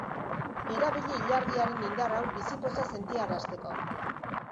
Erabili ilargiaren indar hau bizi poza sentiarazteko.